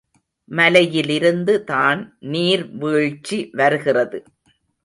மலையிலிருந்து தான் நீர் வீழ்ச்சி வருகிறது.